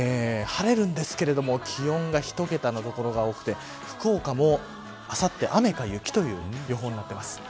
晴れるんですが気温が１桁の所が多くて福岡も、あさって雨か雪という予報になっています。